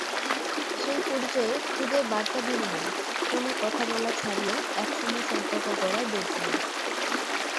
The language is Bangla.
সেই পরিচয়ে খুদে বার্তাবিনিময়, ফোনে কথা বলা ছাড়িয়ে একসময় সম্পর্ক গড়ায় বেডরুমে।